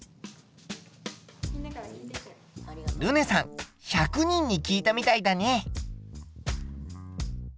るねさん１００人に聞いたみたいだね。